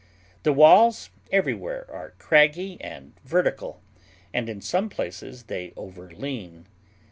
The walls everywhere are craggy and vertical, and in some places they overlean.